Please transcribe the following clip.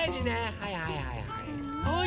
はいはいはいはい。